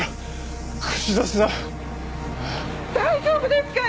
大丈夫ですか？